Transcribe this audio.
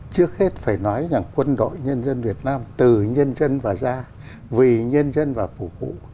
trước hết phải nói rằng quân đội nhân dân việt nam từ nhân dân và ra vì nhân dân và phục vụ